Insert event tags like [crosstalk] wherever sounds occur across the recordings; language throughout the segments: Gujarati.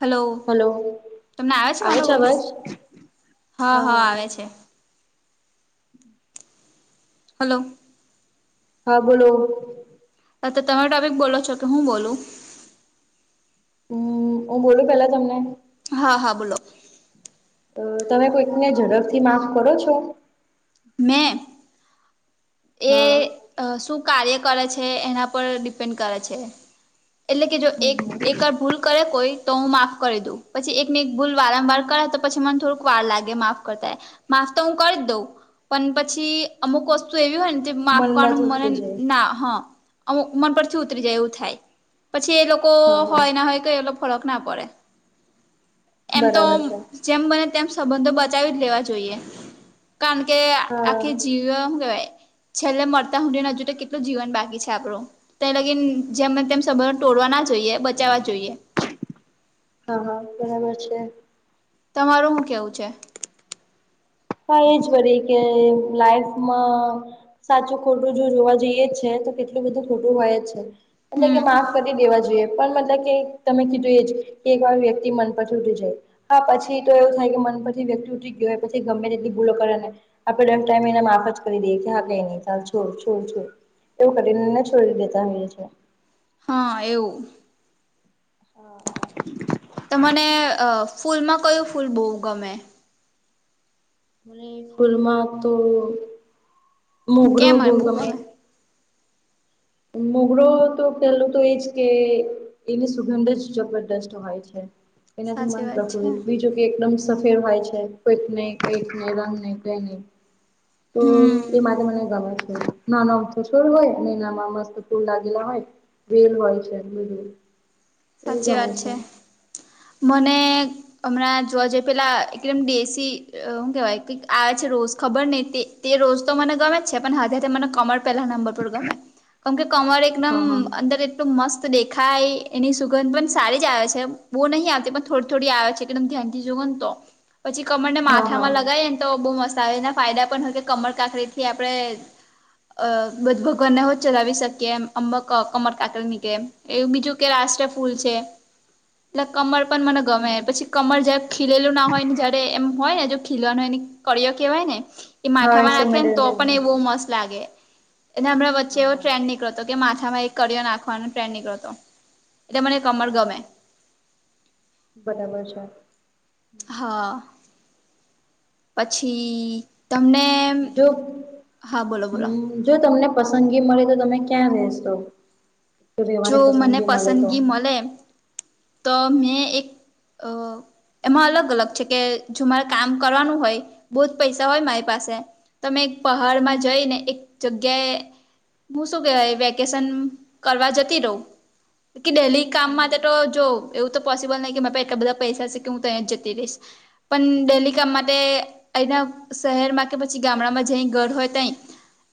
હલો તમને આવે છે, મારો વોઇસ હ હ હા આવે છે. હાલો. હા બોલો ત ત તમે ટોપિક બોલો છો કે હું બોલું? હમ ઉ બોલું પેલા તમને? હા હા બોલો અ તમે કોઈકને ઝડપથી માફ કરો છો? મેં એ હા અ શું કાર્ય કરે છે, એના પર ડિપેન્ડ કરે છે. એટલે કે જો હમ એક એક હમ વાર ભૂલ કરે કોઈ તો હું માફ કરી દઉં પછી એકને એક ભૂલ વારંવાર કરે તો પછી મને થોડુંક વાર લાગે માફ કરતાય માફ તો હું કરી દઉં પણ પછી અમુક વસ તું એવી હોય ને જે માફ કરવાનું મનમાંથી મને ઉતરી જાય ના હ [unintelligible] મન પરથી ઉતરી જાય એવું થાય પછી એ લોકો હા હા હોયને હોય ત એલ ફરક ના પડે એમ તો બરાબર છે જેમ બને તેમ સંબંધો બચાવી જ લેવા જોઈએ કારણ કે હા આખી જી હું કેવાય છેલ્લે મરતા હુંધીના હજુ તો કેટલું જીવન બાકી છે, આપણું તય લગીન જેમે તેમ સંબંધ તોડવા ના જોઈએ બચાવવા જોઈએ હા હા બરાબર છે. તમારું હું કેવું છે? હા એ વરી કે લાઈફમાં સાચું ખોટું જો જોવા જઈએ છે, તો કેટલું બધું ખોટું હોય છે. એટલે કે હમ માફ કરી દેવા જોઈએ. પણ મતલબ કે તમે કીધું એ જ કે એકવાર વ્યક્તિ મન પરથી ઉતરી જાય હા પછી તો એવું થાય કે મન પરથી વ્યક્તિ ઉઠી ગયો હોય પછી ગમે તેટલી ભૂલો કરે ને આપણે ટાઈમ એને માફ જ કરી દઈએ કે હા કઈ ની ચાલ છો છો છો એવું કરીને એને છોડી દેતા હોઈએ છે. હા એવું હા. તમને અ ફૂલમાં કયું ફૂલ બો ગમે? મને સ્કૂલમાં તો મોગરો કેમ મને બો બહુ ગમે મોગરો તો પેલુ તો એજ કે એની સુગંધ જ જબરદસ્ત હોય છે, એનાથી સાચી મન વાત છે પ્રફુલિત બીજું કે એકદમ સફેર હોય છે, કોઈક ને કઈક ને રંગ નય કઈ નહી તો હમ એ માટે મને ગમે છે, ના નો અમથો છોડ હોય ને એનામા મસ્ત ફૂલ લાગેલા હોય વેલ હોય છે, બીજું સાચી વાત છે, મને હમણાં જોવા જઈએ પેલા એકદમ દેશી અ હુ કેવાય કઈક આ જ રોજ ખબર ની તે તે રોઝ તો મને ગમે છે, પણ હાથે તે મને કમળ પહેલા નંબર પર ગમે કેમ કે કમળ એક દમ હા હા. અંદર એટલું મસ્ત દેખાય એની સુગંધ પણ સારી જ આવે છે, બો નહીં આવતી પણ થોડી થોડી આવે છે, એકદમ ધ્યાનથી જોવન તો પછી કમળને હા હા માથામાં લગાવીએ ને તો બો મસત આવે એના ફાયદા પણ હોય કે કમળ કાકડી થી આપણે અ બ ભગવાનને હો ચલાવી શકીએ એમ અંક કમર કાકલ નીકળે એવું બીજું કે રાષ્ટ્ર ફૂલ છે એટલે કમળ પણ મને હમ ગમે હમ પછી કમળ જ ખીલેલું ના હોય ને જયારે એમ હોય ને જો ખીલવાનું હોય એને કડીયા કહેવાય ને એ હા માથામાં નાખે સમય ને તો દરમિયાન પણ એ બહુ હશે મસ્ત લાગે અને હમણાં વચ્ચે હા એવો હા. ટ્રેન્ડ નીકળો તો કે માથામાં એક કરિયો નાખવાનો એક ટ્રેન્ડ નીકડો થો. હા હા બરાબર છે. હા. પછી તમને જો હા બોલો બોલો હમ્મ. જો તમને પસંદગી મળે તો તમે ક્યાં રેશો રેવાની પસંદગી મળે તો. મને તો મેં એક અ એમાં અલગ-અલગ છે કે જો મારે કામ કરવાનું હોય બહુ જ પૈસા હોય મારી પાસે. તો મે એક પહાડમાં જઈને એક જગ્યાએ હું શું કેવાય વેકેશન કરવા જતી રહું કે ડેલી કામ હમ હમ. તો જો એવું તો પોસિબલ નહી કે એટલા બધા પૈસા સ કે હું ત્યાં જતી રહીશ. પણ ડેલી કામ માટે અહીંના શહેરમાં કે પછી ગામડામાં જઇ ઘર હોય તય.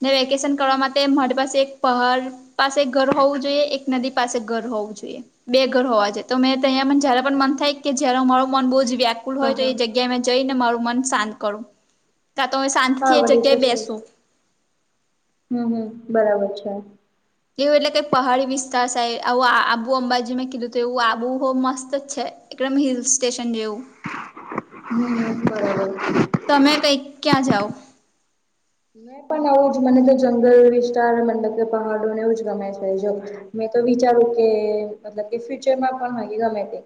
ને વેકેશન કરવા માટે મારી પાસે એક પહાડ પાસે ઘર હોવું જોઈએ એક નદી પાસે ઘર હોવું જોઈએ બે ઘર હોવા જોઈએ. તો મે તંયા પણ જય પણ મન થાય કે જયારે મારું મન બહ જ વ્યાકુલ હા હોય તો હા એ જગ્યાએ જઈને મારું મન શાંત કરું ત્યાં તો શાંત થી હા એ વળી જગ્યાએ બેસુ. હમ્મ હમ્મ બરાબર છે. એવું એટલે કઈ પહાડી વિસ્તાર સાઈડ આબુ અંબાજીમાં કીધું હતું એવું આબુ હો મસ્ત જ છે. એટલે એમ હિલ સ્ટેશન જેવું. હમ્મ. તમે કંઈક ક્યાં જાઓ. મેં પણ આવું જ મને તો જંગલ વિસ્તાર મતલબ કે પહાડોને એવું જ ગમે છે જો, મેં તો વિચારું કે મતલબ કે ફ્યુચરમાં પણ ગમે તે.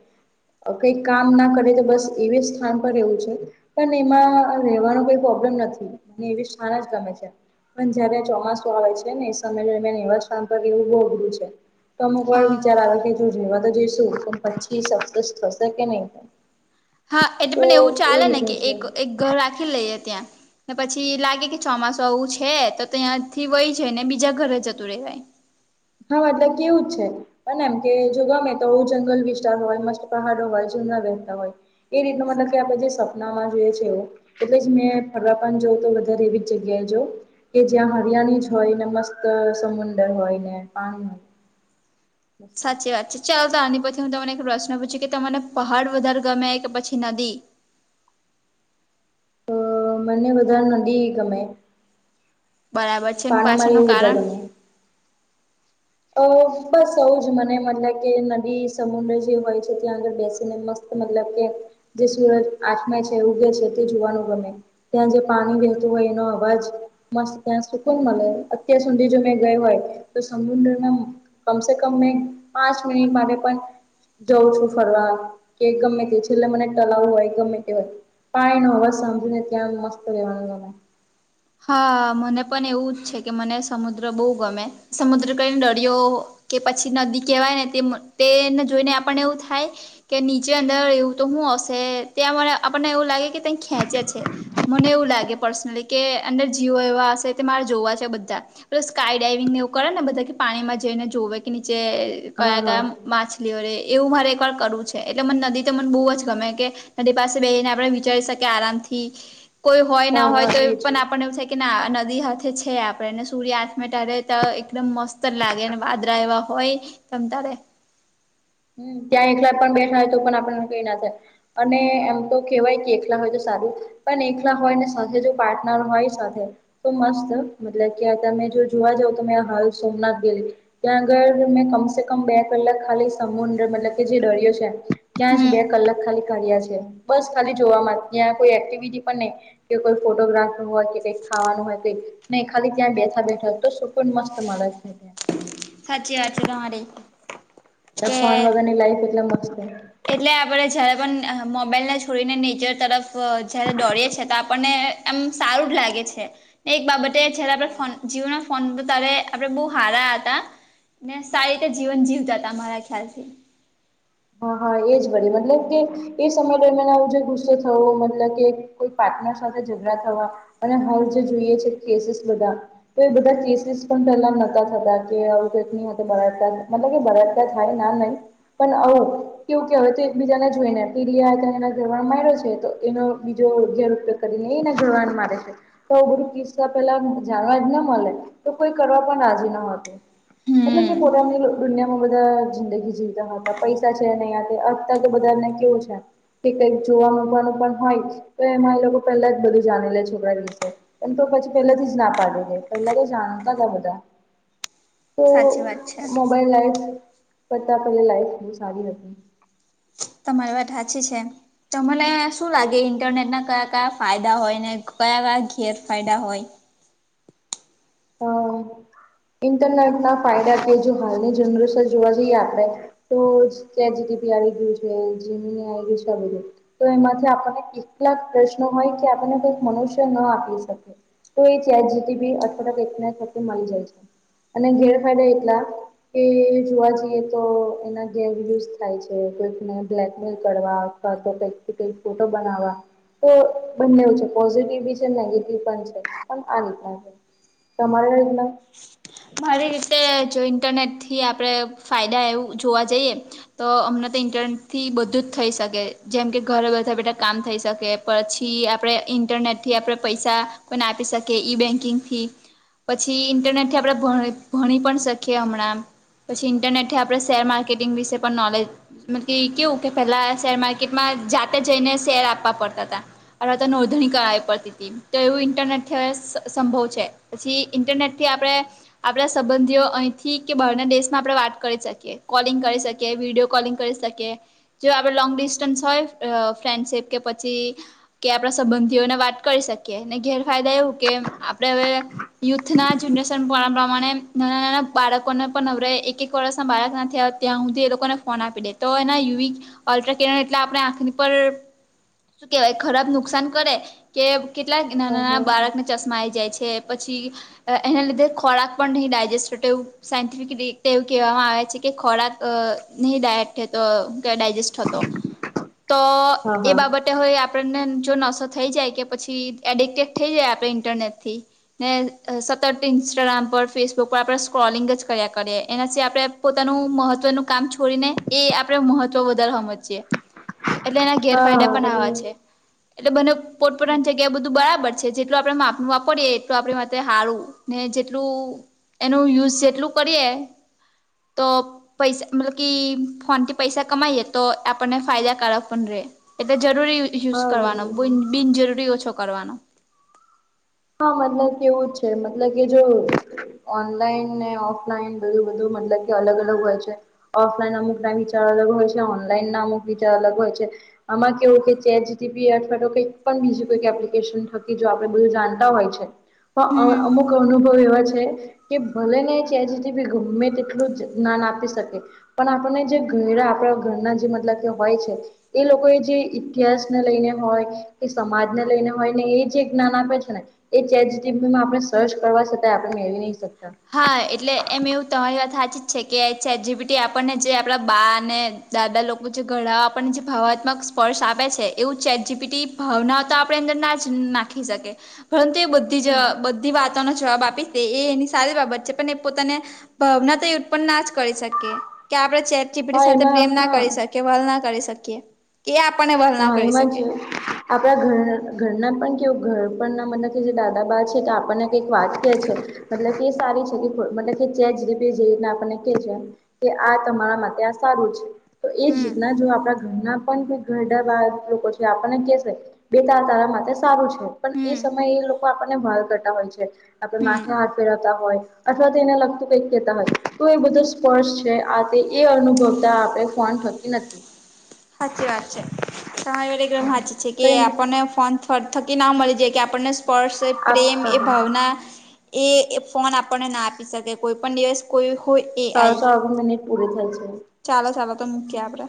અ કઈક કામ ના કરીય તો બસ એવી જ સ્થાન પર રહેવું છે. પણ એમાં રહેેવાનો કઈ પ્રોબ્લેમ નથી મ એવી શાળા જ ગમે છે. પણ જ્યારે ચોમાસું આવે છે ને સમય દરમિયાન એવા સ્થાન પર રહેવું બહુ અઘરું છે. તો અમુક વાર વિચાર હા. આવે કે જો રવા તો જઈશું તો પછી સક્સેસ થશે કે નહી થાય. હા, એટલે પણ એવું ચાલે ને કે એક એક ઘર રાખી લઈએ ત્યાં. ને પછી લાગે કે ચોમાસું આવું છે તો ત્યાંથી વય જ ને બીજા ઘરે જતું રહેવાય. હા, મતલબ કેવું છે? પણ એમ કે જો ગમે તો જંગલ વિસ્તાર હોય મસ્ત પહાડો હોય જૂના વહેતા હોય. એ રીતનું મતલબ કે આપડે જે સપનામાં જોઈએ છે એવું એટલે જ મેં ફરવા પન જાઉ તો વધારે એવી જ જગ્યાએ જાઉ. કે જ્યાં હરિયાણી જ હોય ને મસ્ત સમુંદર હોય ને પાણી હોય સાચી વાત છે. ચાલો તો આની પછી હું તમને એક પ્રશ્ન પૂછું કે તમને પહાડ વધારે ગમે કે પછી નદી? અહ મને વધારે નધી ગમે. બરાબર અને છે પાણી માં એવું પાછળનું બધા કારણ? ગમે. અહ બસ આઉ જ મને મતલબ કે નદી સમુદ્ર જે હોય છે ત્યાં આગળ બેસીને મસ્ત મતલબ કે જે સુરજ આઠમે છે, ઉગે છે તે જોવાનું ગમે. ત્યાં જે પાણી વહેતું હોય એનો અવાજ મસ્ત ત્યાં સુકન મલે અત્યાર સુધી જો મેં ગય હોય તો સમુદ્ર ના કમસે કમ મેં પાંચ મિનિટ મારે પણ જઉં છું ફરવા કે ગમે તે છેલ્લે મને ટલાવું હોય ગમે તે હોય પાણી નો આવાઝ સાંભળી ને ત્યાં મસ્ત રહેેવાનું ગમે. હા મને પણ એવું જ છે કે મને સમુદ્ર બહુ ગમે સમુદ્ર કને દરિયો કે પછી નદી કહેવાય ને તે તે એને જોઈને આપણને એવું થાય કે નીચે અંદર એવું તો હું હશે ત્યાં મને આપણને એવું લાગે કે તઈ ખેંચે છે. મને એવું લાગે પર્સનલી કે અંદર જીવો એવા હશે કે મારે જોવા છે બધા. પલો સ્કાય ડાઇવિંગ ને એવું કરે ને બધા કે પાણીમાં જઈને જોવે કે નીચે હા કયા હા કયા માછ લીઓ રે એવું મારે એકવાર કરવું છે એટલે મને નદી તો મને બહુ જ ગમે કે નદી પાસે બેહીને આપણે વિચારી શકીએ આરામ થી કોઈ હોય ના હા હોય હા તોય એજ આપને એવું છે કે ના નદી હાથે છે આપણેેને સૂર્ય આથમે ત્યારે તો એકદમ મસ્ત ઉતર લાગે વાદરા એવા હોય તમ તારે હમ્મ ત્યાં એકલા પણ બેઠા હોય તો પણ આપણ કઈ ના થાય અને એમ તો કહેવાય કે એકલા હોય તો સારું પણ એકલા હોય ને સાથે જો પાર્ટનર હોય સાથે તો મસ્ત મતલબ કે તમે જો જોવા જાવ તો મે હાલ સોમનાથ ગેલી. ત્યાં ઘર મેં કમસે કમ બે કલાક ખાલી સમુદ્ર મતલબ કે જે ડરિયો છે ત્યાં જ હમ બે કલાક ખાલી કાર્યા છે. બસ ખાલી જોવામાં ત્યાં કોઈ એક્ટિવિટી પણ નહી. કે કોઈ ફોટોગ્રાફર હોય કે ખાવાનું હોય તો નહી ખાલી ત્યાં બેઠા બેઠા તો સુકૂન મસ્ત મળે છે ત્યા. સાચી વાત છે તમારી. ના કે ફોન વગર ની લાઈફ એટલે મસ્ત છે. એટલે આપણે જ્યારે પણ મોબાઈલને છોડીને નેચર તરફ જ્યારે દોરીએ છીએ તો આપણને એમ સારું જ લાગે છે ને એક બાબતે જયારે આપ ફોન જીવન ફોન તો તારે આપડે બહુ હારા હતા ને સારી રીતે જીવન જીવતા હતા મારા ખ્યાલથી. હા હા એજ ભઈ મતલબ કે એ સમય તો એને આવું જો ગુસ્સો થવો મતલબ કે કોઈ પાર્ટનર સાથે ઝઘડા થવા અને હવ જે જોઈએ છે કેસીસ બધા તો એ બધા કેસીસ પણ પેલા નતા કે આવુંટ ભરાતા મતલબ કે ભરાતા થાય ના નહી પણ અવુ એવું કવાય તો એક બીજાને જોઈ ને એ ઘર માડ્યો છે તો એનો બીજો અગયારયોગ કરીને એને ઘરવાન મારે છે. તો આવું બધું કિસ્સા પેલા જાણવા જ ના મળે તો કોઈ કરવા પણ રાજી ન હતું. મતલબ કે હમ પોતાની દુનિયામાં બધા જિંદગી જીવતા ન હતા પૈસ સા છે નઇ અત્યાર તો બધા ને કેવું છે. કે કઈક જોવા મકવાનું પણ હોય તો એમાં એ લોકો પેલા જ બધું જાણી લે છોકરા વિશે. એ તો પછી પહેલાથી જ ના પાડેે પેલા તો જ આનતા હતા બધા. તો સાચી વાત છે મોબાઈલ લાઈફ કરતા પેલા લાઈફ બહુ સારી હતી. તમારી વાત સાચી છે તમને શું લાગે ઇન્ટરનેટ ના કયા કયા ફાયદા હોય ને કયા કયા ઘેરફાયદા હોય. હ ઇન્ટરનેટ ના ફાયદા કે જો હાલની જનરેશન જોવા જઈએ આપણેે. તો ત્યાં ચેટ જીટીપી આવી ગયું છે, જીમીની આવી ગયું છે આ બધું તો એમાંથી આપણને કેટલાક જ પ્રશ્ન હોય કે આપણને કઈક મનુષ્ય ન આપી શકે. તો એ ચેટ જીટીપી અથવા [unintelligible] મળી જાય છે અને ગેરફાયદા એટલા એ જોવા જઈએ તો એના ગેરયુઝ થાય છે કોઈકને બ્લેકમેલ કરવા કા તો કઈક ન કઇક ફોટો બનાવા. તો બંને છે પોઝિટિવ બી છે નેગેટિવ પણ છે પણ આ રીતના હે તમારે [unintelligible] રીત ના. મારી રીતે જો ઇન્ટરનેટથી આપણે ફાયદા એવું જોવા જઈએ. તો અમને તો ઇન્ટરનેટ થી બધું જ થઈ શકે જેમ કે ઘરે બેઠા બેઠા કામ થઈ શકે. પછી આપણે ઇન્ટરનેટ થી આપણે પૈસા પણ આપી શકીએ ઈ-બેન્કિંગ થી. પછી ઇન્ટરનેટ થી આપણે ભણે ભણી પણ શકીએ હમણાં. પછી ઇન્ટરનેટ થી આપણે શેર માર્કેટિંગ વિશે પણ નોલેજ મત કેવું કે પહેલા શેર માર્કેટમાં જાતે જઈને શેર આપવા પડતા હતા. અવે તો નોંધણી કરાવવી પડતી હતી તો એવું ઇન્ટરનેટ સ સંભવ છે પછી ઇન્ટરનેટ થી આપણે આપણા સંબંધીઓ અહીંથી કે બહારના દેશ માં આપણે વાત કરી શકીએ કોલિંગ કરી શકીએ વિડીિયો કોલિંગ કરી શકીએ જો આપણે લોંગ ડિસ્ટન્સ હોય ફ્રેન્ડશિપ કે પછી. કે આપણા સંબંધીઓને વાત કરી શકીએ અને ગેરફાયદા એવું કે આપણે હવે. યુથ ના જનરેશન. પ્રમાણે નાના નાના બાળકોને પણ હવે એક એક વર્ષ ના બાળક ના થયા ત્યાં સુધી એ લોકોને ફોન આપી દે તો એના યુ અલ્ટ્રાર એટલે આપણે આંખની પર શું કેવાય ખરાબ નુકસાન કરે કે કેટલાક નાના હા હા નાના બાળકને ચશ્મા આવી જાય છે, પછી એના લીધે ખોરાક પણ નહીં ડાયજેસ્ટ ટેવ સાયન્ટિફિક રીતે એવું કહેવામાં આવે છે કે ખોરાક નહી ડાયજેસ્ટ થતો. તો હા એ હા બાબત હોય આપણને જો નશો થઈ જાય કે પછી એડિક્ટેડ થઈ જાય આપણે ઇન્ટરનેટ થી. ને સતર ઇં. ઇન્સ્ટાગ્રામ પર ફેસબુક પર આપણે સ્ક્રોલિંગ જ કર્યા કરીએ એનાથી આપણે પોતાનું મહત્વનું કામ છોડીને. એ આપણે મહત્વ વધારવાવામાં છેએ. એટલે એના હા ગેરફાયદા હા પણ આવા છે, પછી એટલે બંને પોતપોતાની જગ્યા બધું બરાબર છે, જેટલૂ આપડે માપનું વાપરીએ એટલૂ આપણે માટે હારુ ને જેટ એટલું એનું યુઝ જેટલું કરીએ તો પૈસા મતલબ કે ફોનથી પૈસા કમાઈએ તો આપને ફાયદાકારક પણ રે એટલે જરૂરી યુઝ હા કરવાનો બધી બિનજરૂરી ઓછો કરવાનો હા મતલબ કે એવું જ છે મતલબ કે જો ઓનલાઈન ને ઓફલાઈન બધું બધું મતલબ કે અલગ અલગ હોય છે. ઓફલાઈન અમુક ના વિચાર અલગ હોય છે ઓનલાઈન ના અમુક વિચાર અલગ હોય છે. આમાં કેવું કે ચેટ જીટીપી અથવા તો કઈક પણ બીજીું કોઈક એપ્લિકેશન થકી જો આપડે બધું જાણ હોય છે પણ હમ અમુક અનુભવ એવા છે. કે ભલે ને છેજથી બી ગમે તેટલું જ જ્ઞાન આપી શકે પણ આપણને જે ઘડા આપણા ઘરના જે મતલબ કે હોય છે. એ લોકો એ જે ઈતિહાસ ને લઈને હોય, એ સમાજ ને લઈને હોય ને એ જે જ્ઞાન આપે છેને. એ ચેટમાં આપણે સર્ચ કરવા છતાય આપણે મેળવી નહી, શકતા હા એટલે એમ એવું તમારી વાત સાચી જ છે કે, છે, જબીટી આપણને જે આપણા બાને દાદા લોકો જે ઘડા આપણને જે ભાવાત્મક સ્પર્શ આપે છે, એવું ચે જીપીટી ભાવના તો આપણે અંદર ના જ નાખી શકી પરંતુ એ બધી જ હમ બધી વાતોનો જવાબ આપી તે એ એની સારી બાબત છે, પણ એ પોતાને ભાવના તો ના જ કરી શકે કે આપણે ચીપડી હા સાથે એમાં પ્રેમ ના હા કરી શકીએ, વલ ના કરી શકીએ કે આપણે હા એમાં જ આપડા ઘર ઘરના પણ કેવું ઘર પણના મતબ કે જે દાદા બાા છે, આપણને વાત કે છે મતલબ કે સારી છે કે મતલ કે ચેજ ર જે આપણને કે છે. કે આ તમારા માટે આ સારું છે, તો એજ હમ રીતના જો આપણા ઘરના પણ ઘરડા બાર લોકો છે, આપણને કે શ બે તાર તારા માટે સારું છે પણ હમ એ સમયે એ લોકો આપણને ભાર કરતા હોય છે. આપે માથે હમ હાર ફેરવતા હોય. અથવા તેને લગતું કઈક કેતા હોય તો એ બધું સ્પર્ષ છે, આ એ અનુભવતા આપણે ફોન નથી. સાચી વાત છે સમય વાળ એકદમ સાચી છે, કે કઈ આપણને ફોન થકી ના મળી જાય કે આપણને સ્પોર્ટ્સ એ આપ પ્રેમ હા એ હા ભાવના એ એ ફોન આપણને ના આપી શકે કોઈ પણ દિવસ ક હોય એક [unintelligible] પુરી થાય છે. ચાલો ચાલો તો મૂકીએ આપડે